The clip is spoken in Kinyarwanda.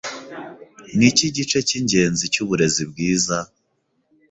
Niki gice cyingenzi cyuburezi bwiza?